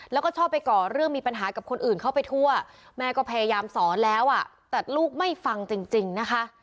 แล้วก็ชอบไปก่อเรื่องมีปัญหากับคนอื่นเข้าไปทั่วแม่ก็พยายามสอนแล้วอ่ะแต่ลูกไม่ฟังจริงนะคะ